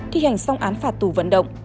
thi hành xong án phạt tù vận động